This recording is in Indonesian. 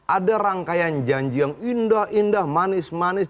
ada rangkaian janji yang indah indah manis manis